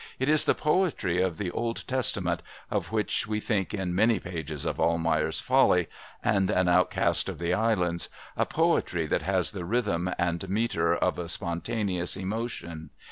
It is the poetry of the Old Testament of which we think in many pages of Almayer's Folly and An Outcast of the Island, a poetry that has the rhythm and metre of a spontaneous emotion.